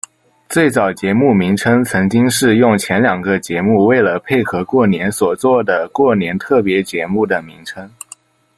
最早节目名称曾经是用前两个节目为了配合过年所做的过年特别节目的名称。